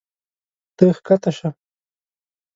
ته ښکته شه.